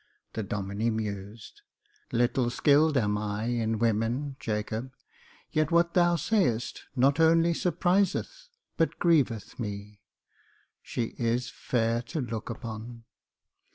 The Domine mused. " Little skilled am I in women, Jacob, yet what thou sayest not only surpriseth but grieveth me. She is fair to look upon."